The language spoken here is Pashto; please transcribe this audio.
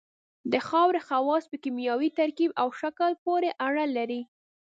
د خاورې خواص په کیمیاوي ترکیب او شکل پورې اړه لري